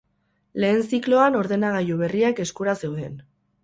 Lehen zikloan ordenagailu berriak eskura zeuden.